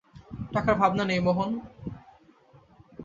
টাকার ভাবনা নাই, মোহন।